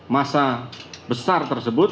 masa besar tersebut